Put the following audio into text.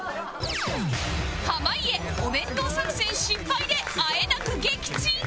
濱家お弁当作戦失敗であえなく撃沈